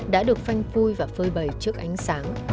đã được phanh phui và phơi bầy trước ánh sáng